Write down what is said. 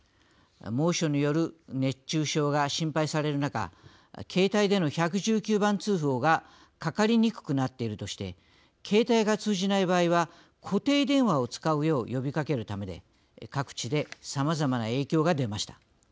猛暑による熱中症が心配される中携帯での１１９番通報がかかりにくくなっているとして携帯が通じない場合は固定電話を使うよう呼びかけるためで、各地でさまざまな影響が出ました。